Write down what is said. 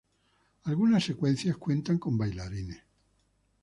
Algunas secuencias cuentan con bailarines.